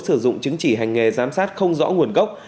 sử dụng chứng chỉ hành nghề giám sát không rõ nguồn gốc